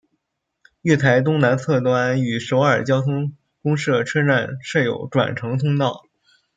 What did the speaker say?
月台东南侧端与首尔交通公社车站设有转乘通道。